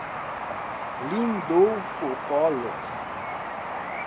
Lindolfo Collor